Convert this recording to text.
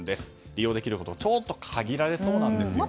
利用できるところちょっと限られそうなんですね。